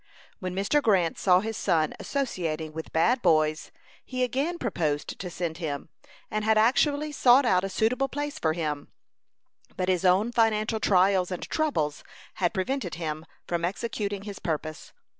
When Mr. Grant saw his son associating with bad boys he again proposed to send him, and had actually sought out a suitable place for him; but his own financial trials and troubles had prevented him from executing his purpose.